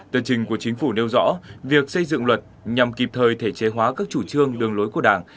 tờ trình của chính phủ nêu rõ việc xây dựng luật nhằm kịp thời thể chế hóa các chủ trương đường lối của đảng